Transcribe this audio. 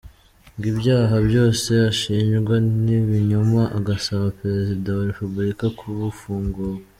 Ngo ibyaha byose ashinjwa n’ibinyoma agasaba Perezida wa Repubulika kubafungura.